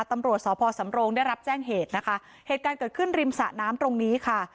ตำรวจสพสำโรงได้รับแจ้งเหตุนะคะเหตุการณ์เกิดขึ้นริมสะน้ำตรงนี้ค่ะ